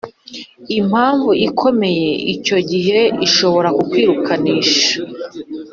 Impamvu ikomeye icyo gihe ishobora kukwirukanisha